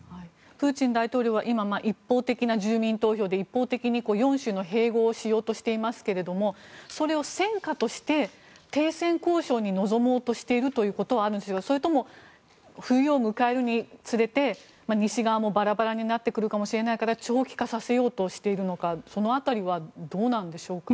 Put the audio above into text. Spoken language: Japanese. プーチン大統領は今一方的な住民投票で一方的に４州の併合をしようとしていますけれどそれを戦果として停戦交渉に臨もうとしているということはあるんでしょうかそれとも、冬を迎えるにつれて西側もバラバラになってくるかもしれないから長期化させようとしているのかその辺りはどうなんでしょうか。